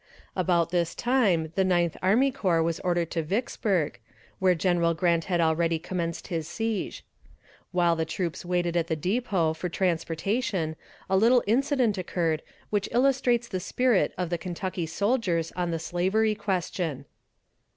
About this time the Ninth Army Corps was ordered to Vicksburg, where General Grant had already commenced his siege. While the troops waited at the depot for transportation a little incident occurred which illustrates the spirit of the Kentucky soldiers on the slavery question.